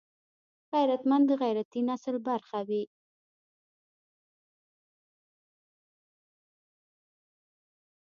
غیرتمند د غیرتي نسل برخه وي